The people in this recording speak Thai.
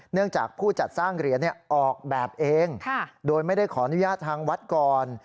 จากผู้จัดสร้างเหรียญออกแบบเองโดยไม่ได้ขออนุญาตทางวัดก่อน